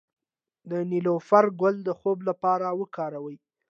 د نیلوفر ګل د خوب لپاره وکاروئ